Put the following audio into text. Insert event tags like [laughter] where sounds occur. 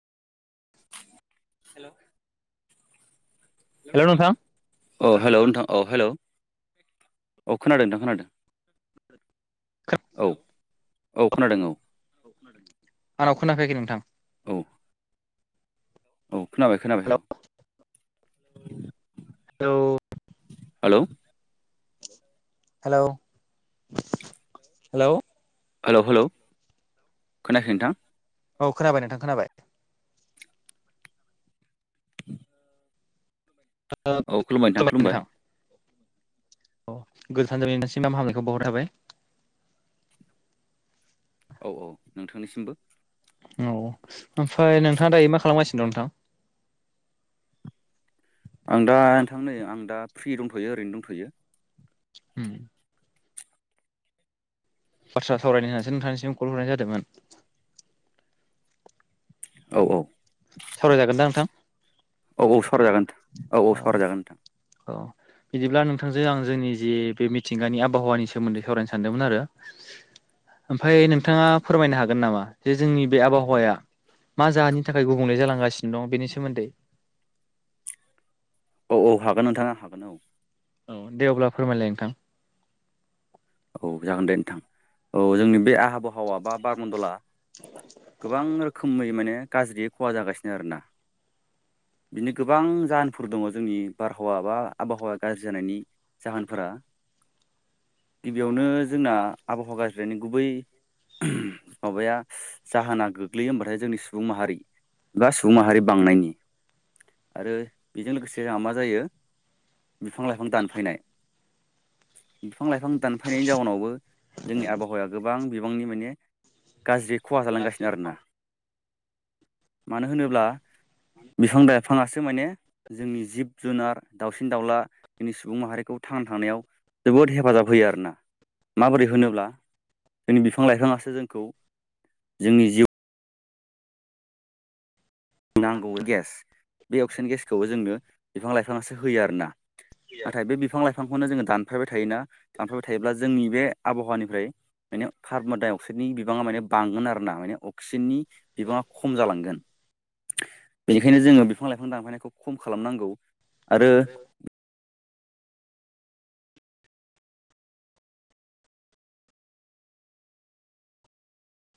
अ hello नोंथां अ hello औ खोनादों नोंथां खोनादों औ औ खोनादों औ आंनाव खोनाफैयाखै नोंथां औ औ खोनाबाय खोनाबाय hello hello hello hello hello hello खोनायाखै नोंथां औ खोनाबाय नोंथां खोनाबाय [inaudible] नोंथां अ [unintelligible] हामनायखौ बउहरनाय थाबाय औ औ नोंथांनिसिमबो औ ओमफ्राय नोंथाङा दायो मा खालामगासिनो दं नोंथां [inaudible] आं दा नोंथां नै आं दा फ्रि दंथ'यो ओरैनो दंथ'यो। हम बाथ्रा सावरायनो होननानैसो नोंथांनिसिम कल हरनाय जादोंमोन। औ औ सावरायजागोन दा नोंथां औ बिदिब्ला नोंथांजो आं जोंनि जि बे मिथिंगानि आबहावानि सोमोन्दै सावरायनो सानदोंमोन आरो ओमफ्राय नोंथाङा फोरमायनो हागोन नामा जे जोंनि बे आबहावाया [inaudible] गुबुंले जालांगासिनो दं बेनि सोमोन्दै औ हागोन नोंथाङा हागोन औ दे अब्ला फोरमायलाय नोंथां औ जागोन दे नोंथां औ जोंनि बे आहबहावा बा बार मन्दला गोबां रोखोमै माने गाज्रियै खहा जागासिनो आरोना [inaudible] बिदिनो गोबां जाहोनफोर दङ' जोंनि बारहावा बा आबहावाया गाज्रि जानायनि जाहोनफोरा [inaudible] गिबियावनो जोंना आबहावा गाज्रिनायनि गुबुन माबाया जाहोना गोग्लैयो होमबाथाय जोंनि सुबुं माहारि एबा सुबुं माहारि बांनायनि आरो बेजों लोगोसे जोंहा मा जायो बिफां लाइफां दानफायनाय [inaudible] बिफां लाइफां दानफायनायनि जाउनावबो जोंनि आबहावाया गोबां बिबांनि माने गाज्रि खहा जालांगासिनो आरोना मानो होनोब्ला बिफां लाइफाङासो माने जोंनि जिब जुनार दावउसिन दाउला जोंनि सुबुं माहारिखौ थांनानै थानायाव जोबोद हेफ जाब होयो आरोना माबोरै होनोब्ला जोंनि बिफां लाइफाङासो जोंखौ जोंनि जिउ नांगौ गेस बे अक्सिजेन गेसखौबो जोंनो बिफां लाइफाङासो होयो आरो ना नाथाय बे बिफां लाइफांखौनो जोङो दानफायबाय थोना दानफायबाय थायोब्ला जोंनि बे आबहावानिफ्राय माने कार्बनडाइ अक्साइडनि बिबाङा माने बांगोन आरो ना माने अक्सिजेननि बिबाङा खम जालांगोन बेनिखायनो जोङो बिफां लाइफां दानफायनायखौ खम खालामनांगौ आरो